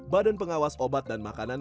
badan pengawas obat dan makanan